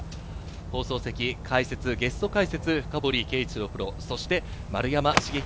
放送席、解説、ゲスト解説、深堀圭一郎プロ、丸山茂樹